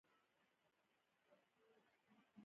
د پیرودونکو خدمت یو مسوولیت دی.